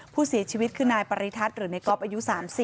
ผู้เสียชีวิตคือนายปริธัตรหรือนายกอล์ฟอายุ๓๐